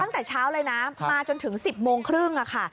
ตั้งแต่เช้าเลยนะมาจนถึง๑๐โมงครึ่งค่ะ